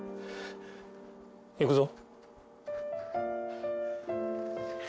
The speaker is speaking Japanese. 行くぞ